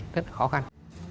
rất là khó khăn